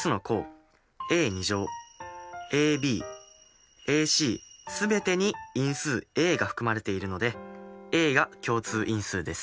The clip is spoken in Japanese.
ａａｂａｃ全てに因数ａが含まれているのでａが共通因数です。